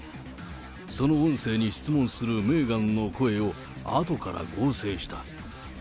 その音声に質問するメーガンの声を後から合成した。